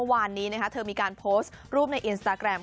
วันนี้นะคะเธอมีการโพสต์รูปในอินสตาแกรม